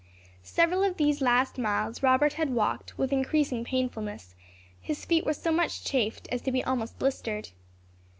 Several of these last miles Robert had walked with increasing painfulness; his feet were so much chafed as to be almost blistered.